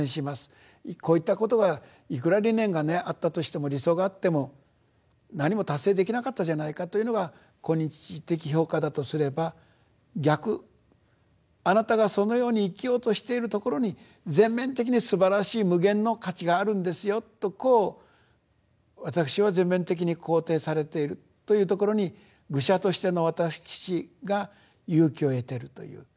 こういったことがいくら理念がねあったとしても理想があっても何も達成できなかったじゃないかというのが今日的評価だとすれば逆あなたがそのように生きようとしているところに全面的にすばらしい無限の価値があるんですよとこう私は全面的に肯定されているというところに愚者としての私が勇気を得てるという。